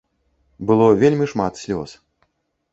Было вельмі шмат слёз.